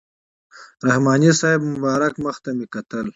رحماني صاحب مبارک مخ ته مې کتل.